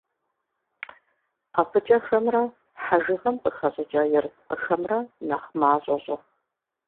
ӀэфӀыкӀэхэмрэ хьэжыгъэм къыхэщӀыкӀа ерыскъыхэмрэ нэхъ мащӀэ щӀы.